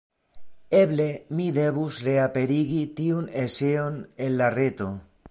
Eble mi devus reaperigi tiun eseon en la reto.